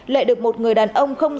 lệ được một người đàn ông khai nhận